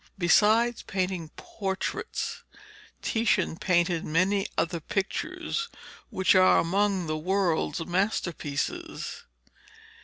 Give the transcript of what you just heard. Besides painting portraits, Titian painted many other pictures which are among the world's masterpieces.